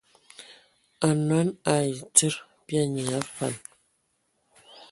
Anɔn ai tsid bya nyiŋ a məfan.